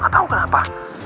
gak tau kenapa